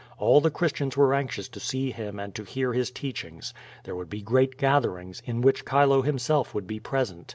All the Christians were anxious to see him and to hear his teachings. There would be great gatherings, in which Chilo himself would be present.